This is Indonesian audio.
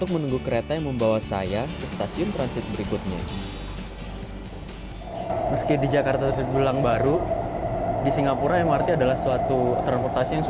kurang lebih tiga dolar untuk satu tiket